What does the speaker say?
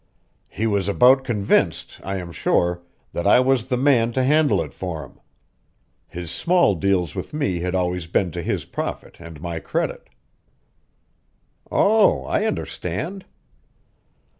He was about convinced, I am sure, that I was the man to handle it for him. His small deals with me had always been to his profit and my credit." "Oh, I understand!"